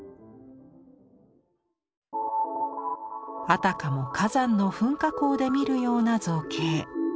あたかも火山の噴火口で見るような造形。